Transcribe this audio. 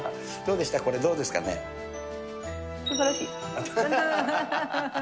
すばらしい。